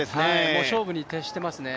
もう勝負に徹していますね。